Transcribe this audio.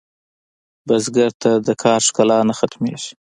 بزګر ته د کار ښکلا نه ختمېږي